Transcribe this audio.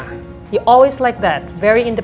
kamu selalu seperti itu